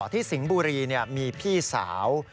สิงห์บุรีมีพี่สาว